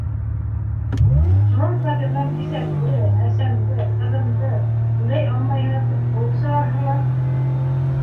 Шунан фатирҙан бисәмде, әсәмде, ҡыҙымды, түләй алмайһығыҙ, тип ҡыуып сығарһалар?